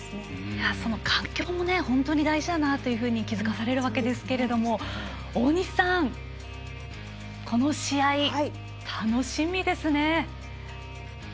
その環境も本当に大事だなと気付かされるわけですけれども大西さん、この試合楽しみですね。